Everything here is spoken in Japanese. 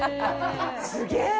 すげえ！